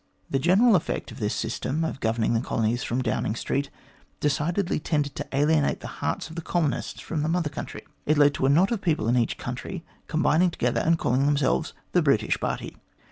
The general effect of this system of governing the colonies from Downing Street decidedly tended to alienate the hearts of the colonists from the Mother Country. It led to a knot of people in each colony combining together and calling themselves the British Party.